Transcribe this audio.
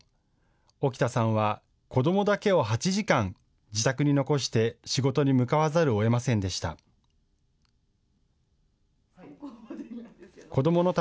沖田さんは子どもだけを８時間、自宅に残して仕事に向かわざるをえませんでした。